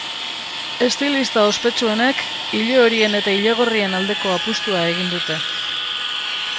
Estilista ospetsuenek ilehorien eta ilegorrien aldeko apustua egin dute.